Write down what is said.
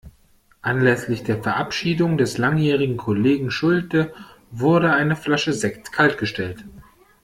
Anlässlich der Verabschiedung des langjährigen Kollegen Schulte wurde eine Flasche Sekt kaltgestellt.